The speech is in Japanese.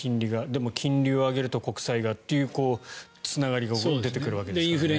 でも金利を上げると国債がとつながりが出てくるわけですね。